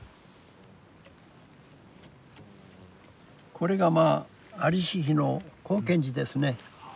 これがまあ在りし日の光顕寺ですね。